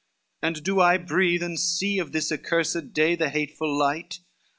and do I breathe and see Of this accursed day the hateful light?